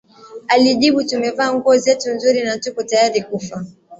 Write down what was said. alijibu tumevaa nguo zetu nzuri na tupo tayari kufa